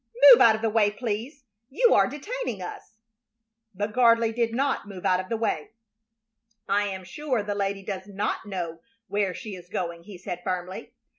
Move out of the way, please. You are detaining us." But Gardley did not move out of the way. "I am sure the lady does not know where she is going," he said, firmly.